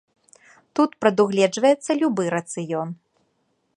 Тут прадугледжваецца любы рацыён.